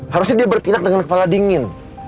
harusnya dia bertindak dengan kepala dingin